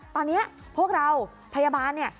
ตอนนี้พวกเราพยาบาลเนี่ย